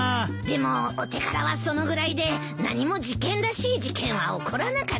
でもお手柄はそのぐらいで何も事件らしい事件は起こらなかったよ。